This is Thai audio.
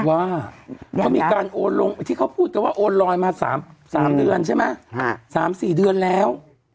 ว่าเขามีการโอนลงที่เขาพูดกันว่าโอนลอยมา๓เดือนใช่ไหม๓๔เดือนแล้ว